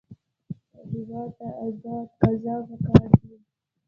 هېواد ته ازاد قضا پکار دی